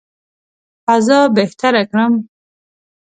فضا بهتره کړم.